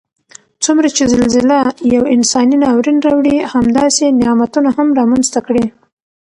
څومره چې زلزله یو انساني ناورین راوړي همداسې نعمتونه هم رامنځته کړي